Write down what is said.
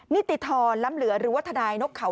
นิติธรล้ำเหลือหรือว่าทนายนกเขา